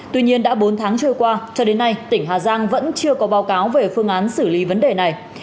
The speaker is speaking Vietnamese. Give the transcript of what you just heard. tuy nhiên đã bốn tháng trôi qua cho đến nay tỉnh hà giang vẫn chưa có báo cáo về phương án xử lý vấn đề này